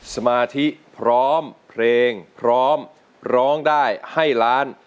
สมาธิพร้อมเพลงพร้อมร้องได้ให้ล้าน